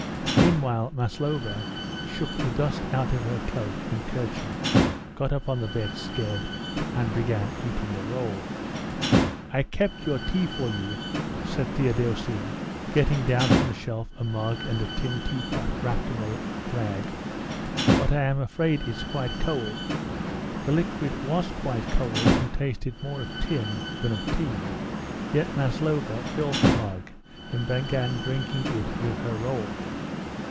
Meanwhile Maslova shook the dust out of her cloak and kerchief, got up on the bedstead, and began eating a roll. "I kept your tea for you," said Theodosia, getting down from the shelf a mug and a tin teapot wrapped in a rag, "but I'm afraid it is quite cold." The liquid was quite cold and tasted more of tin than of tea, yet Maslova filled the mug and began drinking it with her roll.